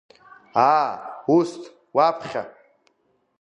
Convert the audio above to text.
Аа, усҭ, уаԥхьа!